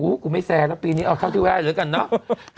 อู้ยกูไม่แทรกละปีนี้เอาเช่าที่ไทยเหลือกันเนอะ